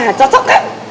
nah cocok kan